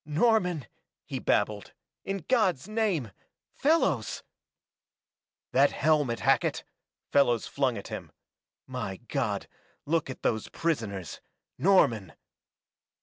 "Norman!" he babbled. "In God's name Fellows !" "That helmet, Hackett!" Fellows flung at him. "My God, look at those prisoners Norman!"